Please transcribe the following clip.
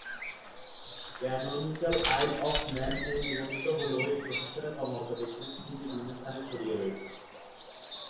Canonical Isle of ম্যান-এ নিবন্ধিত হলেও, এই প্রতিষ্ঠানে কর্মরত ব্যক্তিরা পৃথিবীর বিভিন্ন স্থানে ছড়িয়ে রয়েছে।